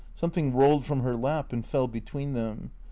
Something rolled from her lap and fell between them.